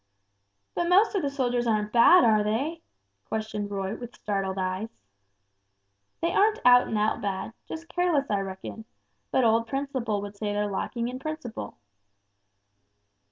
"But most of the soldiers aren't bad, are they?" questioned Roy with startled eyes. "They aren't out and out bad just careless, I reckon, but old Principle would say they're lacking in principle."